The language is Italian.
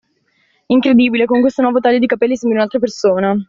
Incredibile! Con questo nuovo taglio di capelli sembri un'altra persona!